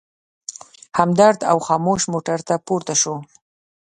همدرد او خاموش موټر ته پورته شوو.